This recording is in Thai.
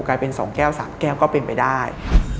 กลายเป็น๒แก้ว๓แก้วก็เป็นไปได้